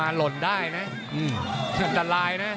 หล่นได้นะหนักตัดลายนะ